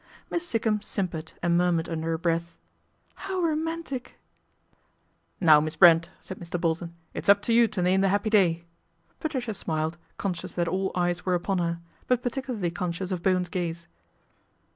Miss Sikkum simpered and murmured under her breath, " How romantic." " Now, Miss Brent," said Mr. Bolton, " it's up to you to name the happy day." Patricia smiled, conscious that all eyes were upon her ; but particularly conscious of Bo wen's gaze.